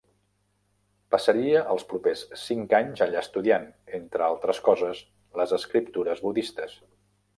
Passaria els propers cinc anys allà estudiant, entre altres coses, les escriptures budistes.